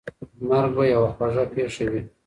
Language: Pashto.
مرګ به یوه خوږه پېښه وي.